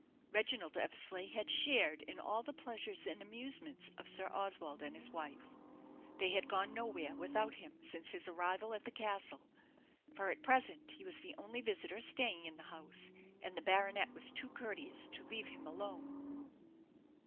Reginald Eversleigh had shared in all the pleasures and amusements of Sir Oswald and his wife. They had gone nowhere without him since his arrival at the castle; for at present he was the only visitor staying in the house, and the baronet was too courteous to leave him alone.